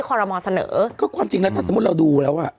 คือหรือวะ